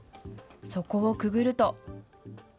そこをくぐると。